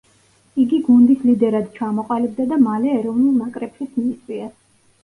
იგი გუნდის ლიდერად ჩამოყალიბდა და მალე ეროვნულ ნაკრებშიც მიიწვიეს.